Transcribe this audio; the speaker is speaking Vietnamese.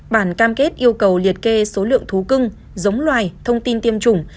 bản cam kết yêu cầu liệt kê số lượng thú cưng giống loài thông tin tiêm chủng